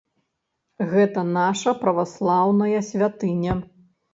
Гэта наша праваслаўная святыня.